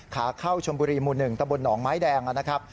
ขาเข้าชมบุรีหมู่๑ตะบลหนองไม้แดงนะครับ